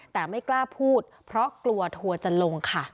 แต่ไม่กล้าพูดเพราะกลัวทัวร์จะลงค่ะ